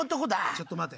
ちょっと待て。